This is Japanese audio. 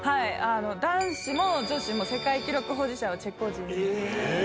男子も女子も世界記録保持者はチェコ人で。